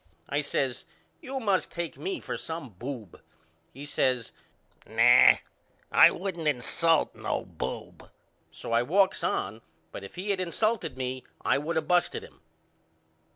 I says You must take me for some boob. He says No I wouldn't insult no boob. So I walks on but if he had of insulted me I would of busted him.